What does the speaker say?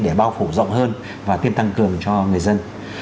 để bao phủ rộng hơn và kiên tăng cường cho người dân